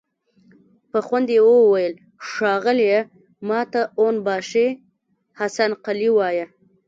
په خوند يې وويل: ښاغليه! ماته اون باشي حسن قلي وايه!